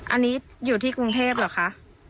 อันนี้อยู่ที่กรุงเทพเหรอคะ